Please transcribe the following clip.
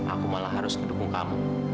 aku malah harus mendukung kamu